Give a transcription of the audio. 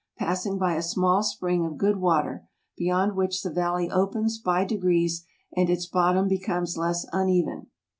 passing by a small spring of good water, beyond which the valley opens by degrees, and its bottom becomes less uneven.